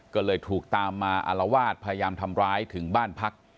ก็เลยถูกตามมาอารวาสพยายามทำร้ายถึงบ้านพัก